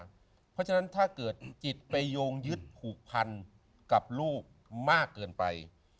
เพราะฉะนั้นถ้าเกิดจิตไปโยงยึดผูกพันกับลูกมากเกินไป